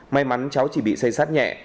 may mắn cháu chỉ bị say sát nhẹ